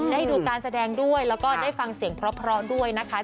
ได้ดูการแสดงด้วยแล้วก็ได้ฟังเสียงเพราะด้วยนะคะ